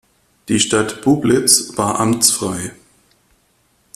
Die Stadt Bublitz war amtsfrei.